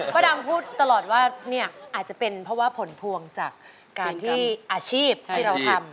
ดำพูดตลอดว่าเนี่ยอาจจะเป็นเพราะว่าผลพวงจากการที่อาชีพที่เราทำ